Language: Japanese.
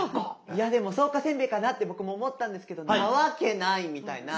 いやでも草加せんべいかなって僕も思ったんですけどなわけないみたいな。